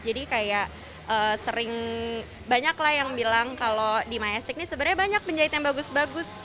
jadi kayak sering banyak lah yang bilang kalau di myastic ini sebenarnya banyak penjahit yang bagus bagus